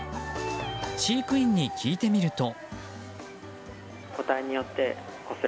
飼育員に聞いてみると。